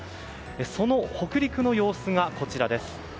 その北陸の様子がこちらです。